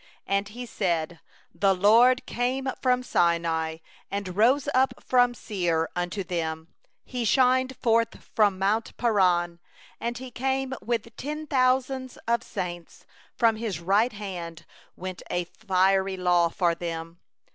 2And he said: The LORD came from Sinai, And rose from Seir unto them; He shined forth from mount Paran, And He came from the myriads holy, At His right hand was a fiery law unto them.